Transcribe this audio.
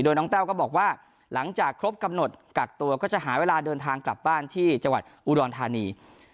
โดยน้องแต้วก็บอกว่าหลังจากครบกำหนดกักตัวก็จะหาเวลาเดินทางกลับบ้านที่จังหวัดอุดรธานี